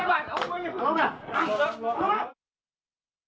ไป